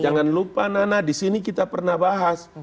jangan lupa nana disini kita pernah bahas